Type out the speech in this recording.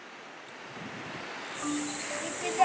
いくぞ！